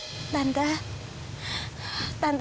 tante sebelumnya aku minta maaf banget tante